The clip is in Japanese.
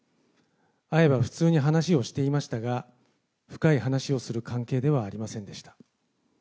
会えば普通に話をしていましたが、深い話をする関係ではありませんでした。